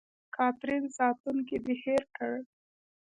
کاترین: ساتونکی دې هېر کړ.